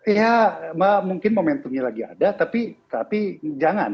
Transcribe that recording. ya mungkin momentumnya lagi ada tapi jangan